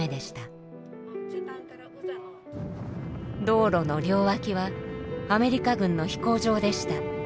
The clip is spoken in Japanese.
道路の両脇はアメリカ軍の飛行場でした。